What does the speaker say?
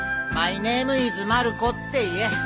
「マイネームイズマルコ」って言え。